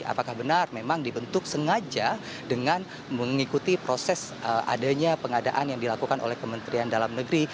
apakah benar memang dibentuk sengaja dengan mengikuti proses adanya pengadaan yang dilakukan oleh kementerian dalam negeri